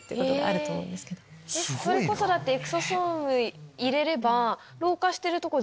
それこそエクソソーム入れれば。